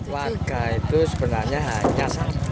warga itu sebenarnya hanya